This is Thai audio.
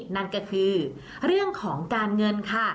นั่นก็คือเรื่องของการเงินค่ะ